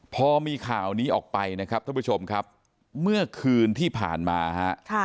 พอมีข่าวนี้ออกไปนะครับท่านผู้ชมครับเมื่อคืนที่ผ่านมาฮะ